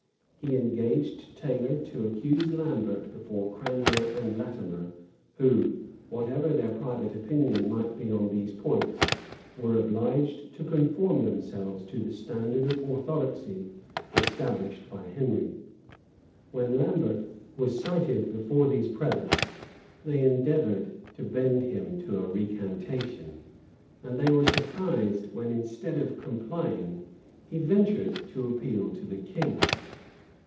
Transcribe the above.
He engaged Taylor to accuse Lambert before Cranmer and Latimer, who, whatever their private opinion might be on these points, were obliged to conform themselves to the standard of orthodoxy established by Henry. When Lambert was cited before these prelates, they endeavored to bend him to a recantation; and they were surprised when, instead of complying, he ventured to appeal to the king.